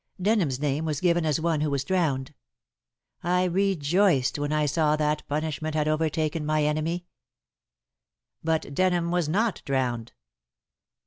Denham's name was given as one who was drowned. I rejoiced when I saw that punishment had overtaken my enemy." "But Denham was not drowned."